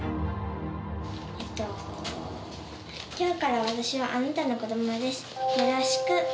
「今日から私はあなたの子どもですよろしく」